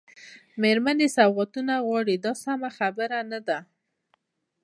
مېرمنې سوغاتونه غواړي دا سمه خبره نه ده.